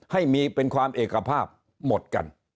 ให้มีเป็นความเอกภาพหมดกัน